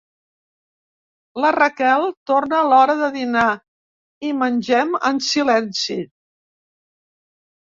La Raquel torna a l'hora de dinar i mengem en silenci.